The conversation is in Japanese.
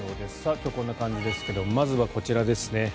今日、こんな感じですけどまずはこちらですね。